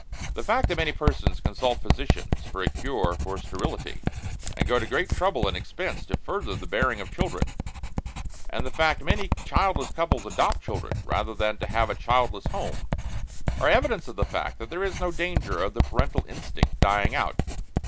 The fact that many persons consult physicians for a cure for sterility, and go to great trouble and expense to further the bearing of children, and the fact many childless couples adopt children rather than to have a childless home, are evidence of the fact that there is no danger of the parental instinct dying out.